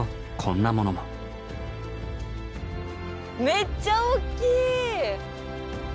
めっちゃおっきい！